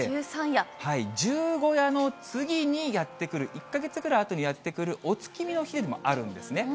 十五夜の次に、やって来る、１か月ぐらいあとにやって来る、お月見の日でもあるんですね。